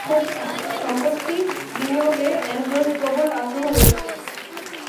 সম্পত্তি বিনিয়োগেও অ্যান্ড্রুর প্রবল আগ্রহ রয়েছে।